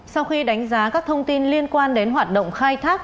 sau khi đánh giá các thông tin liên quan đến hoạt động khai thác